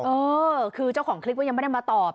เออคือเจ้าของคลิปก็ยังไม่ได้มาตอบ